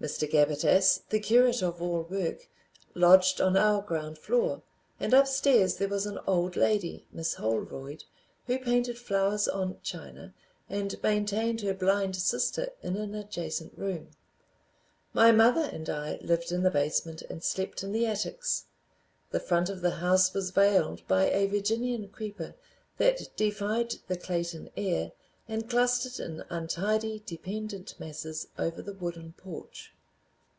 Mr. Gabbitas, the curate of all work, lodged on our ground floor, and upstairs there was an old lady, Miss Holroyd, who painted flowers on china and maintained her blind sister in an adjacent room; my mother and I lived in the basement and slept in the attics. The front of the house was veiled by a Virginian creeper that defied the Clayton air and clustered in untidy dependent masses over the wooden porch.